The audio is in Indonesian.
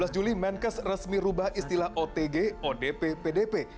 dua belas juli menkes resmi rubah istilah otg odp pdp